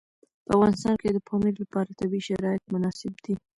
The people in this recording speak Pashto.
په افغانستان کې د پامیر لپاره طبیعي شرایط مناسب دي.